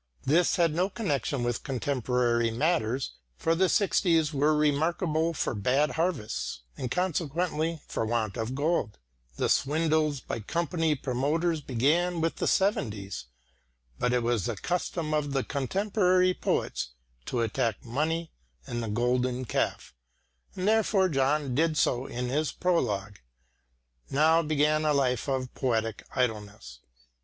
This had no connection with contemporary matters, for the sixties were remarkable for bad harvests and consequently for want of gold. The swindles by company promoters began with the seventies. But it was the custom of the contemporary poets to attack money and the golden calf, and therefore John did so in his prologue. Now began a life of poetic idleness.